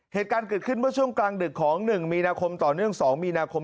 เหตุการณ์เกิดขึ้นเมื่อช่วงกลางดึกของ๑มีนาคมต่อเนื่อง๒มีนาคม